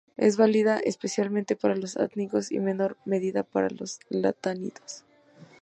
Es válida especialmente para los actínidos, y, en menor medida, para los lantánidos.